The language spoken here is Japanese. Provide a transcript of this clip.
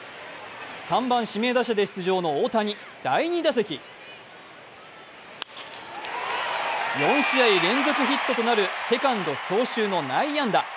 ３番・指名打者で出場の大谷、第２打席、４試合連続ヒットとなるセカンド強襲の内野安打。